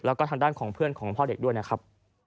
แล้วก็ทางด้านของเพื่อนของพ่อเด็กด้วยนะครับ